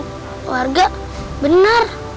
kakek aku jangan meninggal